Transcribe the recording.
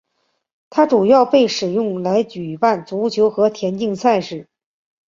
它主要被使用来举办足球和田径赛事。